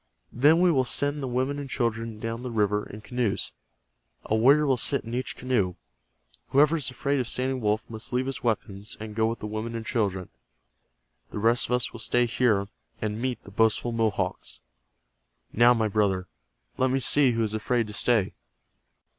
Then we will send the women and children down the river in canoes. A warrior will sit in each canoe. Whoever is afraid of Standing Wolf must leave his weapons, and go with the women and children. The rest of us will stay here, and meet the boastful Mohawks. Now, my brother, let me see who is afraid to stay."